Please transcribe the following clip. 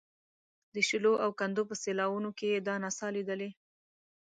د شیلو او کندو په سیلاوونو کې یې دا نڅا لیدلې.